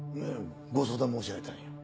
ご相談申し上げたんよ。